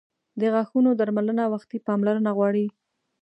• د غاښونو درملنه وختي پاملرنه غواړي.